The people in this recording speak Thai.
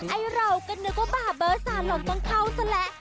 ไอ้เราก็นึกว่าบาร์เบอร์สาหล่นต้องเข้าซะแล้ว